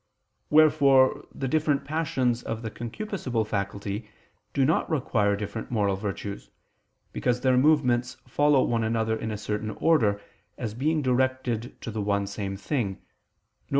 Wherefore the different passions of the concupiscible faculty do not require different moral virtues, because their movements follow one another in a certain order, as being directed to the one same thing, viz.